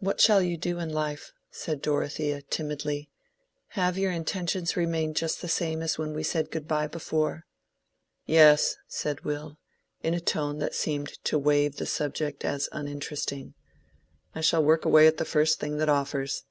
"What shall you do in life?" said Dorothea, timidly. "Have your intentions remained just the same as when we said good by before?" "Yes," said Will, in a tone that seemed to waive the subject as uninteresting. "I shall work away at the first thing that offers.